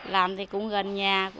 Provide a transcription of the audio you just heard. làm thì cũng gần nhà